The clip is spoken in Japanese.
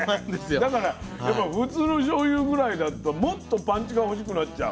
だから普通のしょうゆぐらいだともっとパンチが欲しくなっちゃう。